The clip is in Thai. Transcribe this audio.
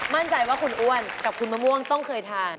มั่นใจว่าคุณอ้วนกับคุณมะม่วงต้องเคยทาน